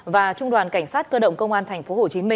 và trung đoàn cảnh sát cơ động công an tp hcm